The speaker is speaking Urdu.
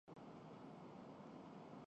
کیا کمی تھی۔